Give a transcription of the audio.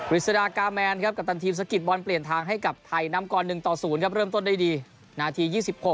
วิสุทธิ์ดาการ์แมนครับกับตันทีมสกิทบอลเปลี่ยนทางให้กับไทยน้ำกรหนึ่งต่อศูนย์ครับเริ่มต้นได้ดีนาที๒๖